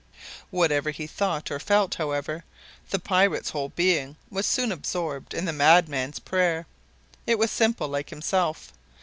Whatever he thought or felt, however, the pirate's whole being was soon absorbed in the madman's prayer. It was simple, like himself.